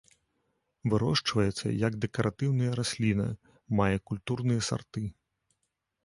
Вырошчваецца як дэкаратыўная расліна, мае культурныя сарты.